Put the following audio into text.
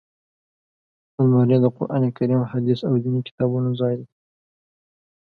الماري د قران کریم، حدیث او ديني کتابونو ځای وي